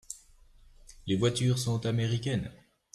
Les voitures sont américaines.